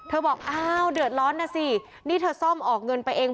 บอกอ้าวเดือดร้อนนะสินี่เธอซ่อมออกเงินไปเอง